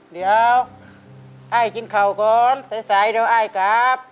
เดี๋ยวไอ้กินเข่าก่อนใสเดี๋ยวไอ้ครับ